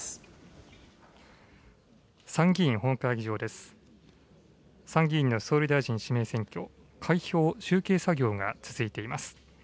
参議院の総理大臣指名選挙、開票・集計作業が続いています。